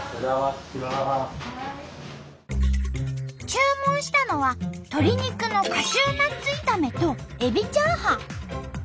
注文したのは鶏肉のカシューナッツ炒めとエビチャーハン。